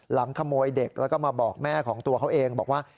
ขโมยเด็กแล้วก็มาบอกแม่ของตัวเขาเองบอกว่า